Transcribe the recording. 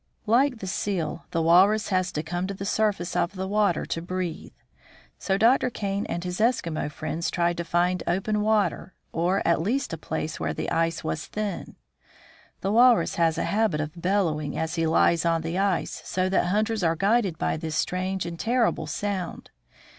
Like the seal, the walrus has to come to the surface of the water to breathe. So Dr. Kane and his Eskimo friends tried to find open water, or, at least, a place where the ice was thin. The walrus has a habit of bellowing as he lies on the ice, so that hunters are guided by this strange and terrible sound.